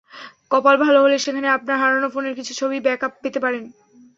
কপাল ভালো হলে সেখানে আপনার হারানো ফোনের কিছু ছবি ব্যাকআপ পেতে পারেন।